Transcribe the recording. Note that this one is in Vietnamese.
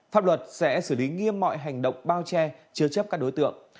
pháp luật sẽ xử lý nghiêm mọi hành động bao che chứa chấp các đối tượng